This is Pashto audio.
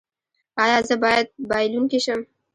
ایا زه باید بایلونکی شم؟